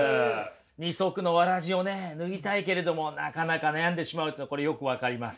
二足のわらじをね脱ぎたいけれどもなかなか悩んでしまうっていうのこれよく分かります。